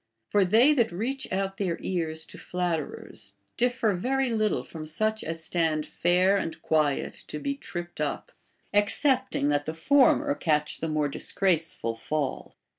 For they that reach out their ears to flatterers diff"er very little from such as stand fair and quiet to be trii)ped up, excepting that the former catch the more disgraceful fall.